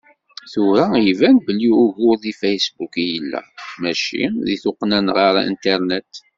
Tura iban belli ugur deg Facebook i yella, mačči deg tuqqna ɣer Internet.